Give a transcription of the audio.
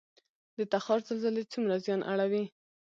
د تخار زلزلې څومره زیان اړوي؟